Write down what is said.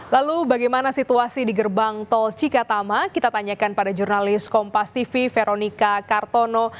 lalu bagaimana situasi di gerbang tol cikatama kita tanyakan pada jurnalis kompas tv veronica kartono